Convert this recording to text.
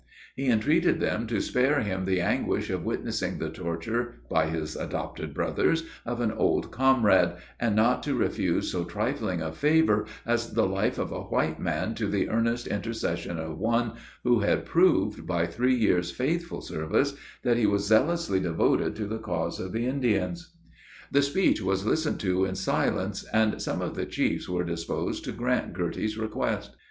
He entreated them to spare him the anguish of witnessing the torture, by his adopted brothers, of an old comrade; and not to refuse so trifling a favor as the life of a white man to the earnest intercession of one, who had proved, by three years' faithful service, that he was zealously devoted to the cause of the Indians. The speech was listened to in silence, and some of the chiefs were disposed to grant Girty's request.